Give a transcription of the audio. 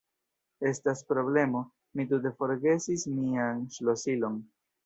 Estas problemo: mi tute forgesis mian ŝlosilon.